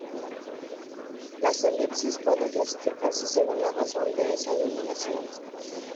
Las elipsis pueden clasificarse según la razón de esa eliminación.